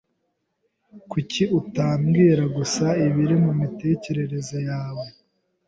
Kuki utambwira gusa ibiri mumitekerereze yawe?